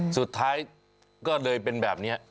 สุดท้ายก็เลยเป็นแบบนี้